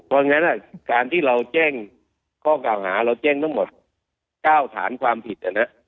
เพราะฉะนั้นการที่เราแจ้งข้อกล่าวหาเราแจ้งทั้งหมด๙ฐานความผิด